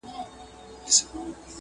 نه درک مي د مالونو نه دوکان سته،